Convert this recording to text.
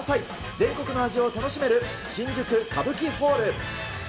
全国の味を楽しめる、新宿カブキホール。